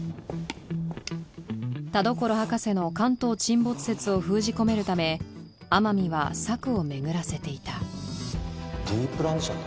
田所博士の関東沈没説を封じ込めるため天海は策を巡らせていたＤ プランズ社って？